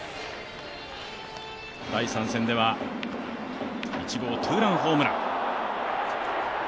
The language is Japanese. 第３戦では１号ツーランホームラン。